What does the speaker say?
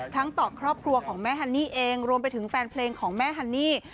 ต่อครอบครัวของแม่ฮันนี่เองรวมไปถึงแฟนเพลงของแม่ฮันนี่